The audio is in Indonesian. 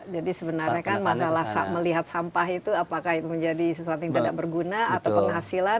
jadi sebenarnya kan masalah melihat sampah itu apakah itu menjadi sesuatu yang tidak berguna atau penghasilan